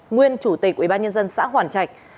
nguyên chủ tịch ubnd xã hoàn trạch